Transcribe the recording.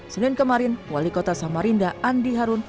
senin kemarin wali kota samarinda andi harun